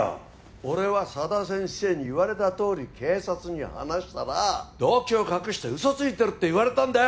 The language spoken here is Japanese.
俺は佐田先生に言われたとおり警察に話したら「動機を隠して嘘ついてる」って言われたんだよ